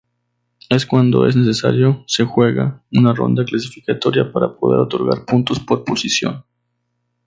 Cuando es necesario se juega una ronda clasificatoria para poder otorgar puntos por posición.